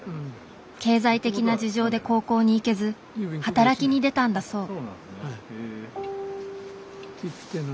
経済的な事情で高校に行けず働きに出たんだそう。